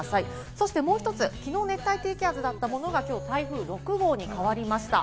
そしてもう１つ、きのう熱帯低気圧だったものが、きょう台風６号に変わりました。